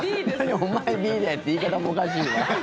お前Ｂだよって言い方もおかしいな。